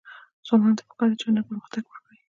ځوانانو ته پکار ده چې، هنر پرمختګ ورکړي.